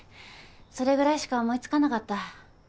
それぐらいしか思いつかなかった。